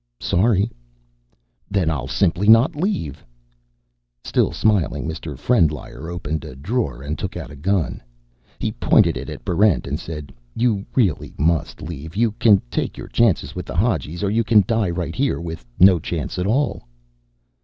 "Sorry." "Then I'll simply not leave." Still smiling, Mr. Frendlyer opened a drawer and took out a gun. He pointed it at Barrent, and said, "You really must leave. You can take your chances with the Hadjis, or you can die right here with no chance at all."